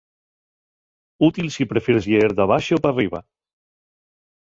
Útil si prefieres lleer d'abaxo p'arriba.